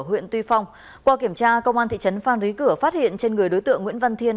huyện tuy phong qua kiểm tra công an thị trấn phan rí cửa phát hiện trên người đối tượng nguyễn văn thiên